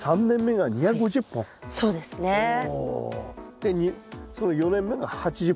でその４年目が８０本？